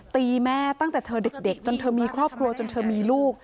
ตีแม่ตั้งแต่เธอเด็กจนเธอมีครอบครัวจนเธอมีลูก